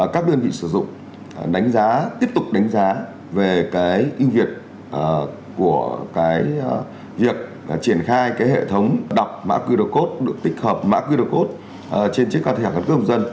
các đơn vị sử dụng đánh giá tiếp tục đánh giá về cái ưu việt của cái việc triển khai cái hệ thống đọc mã qr code tích hợp mã qr code trên chiếc thẻ căn cứ công dân